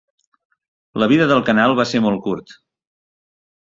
La vida del canal va ser molt curt.